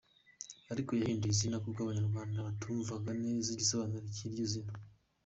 Ariko yahinduye izina kuko Abanyarwanda batumvaga neza igisobanuro cy’iryo zina.